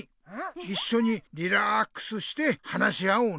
いっしょにリラックスして話し合おうね。